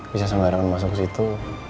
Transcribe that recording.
bisa sembarangan masuk ke situ